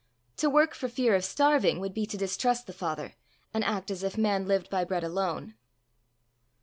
To work for fear of starving would be to distrust the Father, and act as if man lived by bread alone.